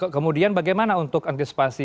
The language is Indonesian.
kemudian bagaimana untuk antisipasi